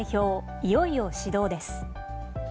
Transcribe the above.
いよいよ始動です。